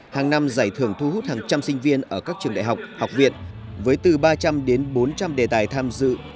hàng năm giải thưởng thu hút hàng trăm sinh viên ở các trường đại học học viện với từ ba trăm linh đến bốn trăm linh đề tài tham dự